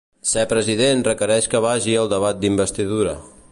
Ser president requereix que vagi al debat d’investidura.